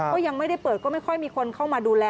ก็ยังไม่ได้เปิดก็ไม่ค่อยมีคนเข้ามาดูแล